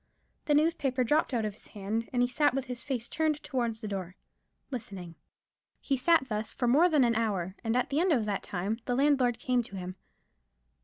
The newspaper dropped out of his hand: and he sat with his face turned towards the door: listening. He sat thus for more than an hour, and at the end of that time the landlord came to him.